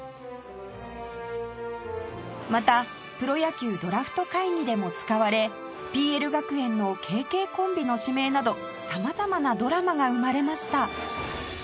またプロ野球ドラフト会議でも使われ ＰＬ 学園の ＫＫ コンビの指名など様々なドラマが生まれました